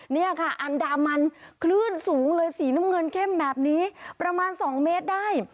นี่ค่ะอันดามันคลื่นสูงเลยสีน้ำเงินเข้มแบบนี้ประมาณ๒เมตรได้